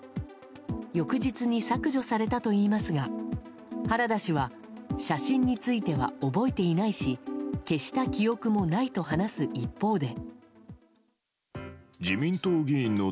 翌日に削除されたといいますが原田氏は写真については覚えていないし消した記憶もないと話す一方で。